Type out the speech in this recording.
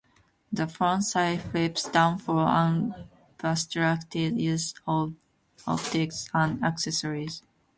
The front sight flips down for unobstructed use of optics and accessories.